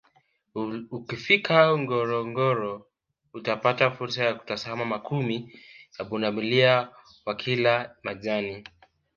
Ukifika Ngorongoro utapata fursa ya kutazama makumi ya pundamilia wakila majani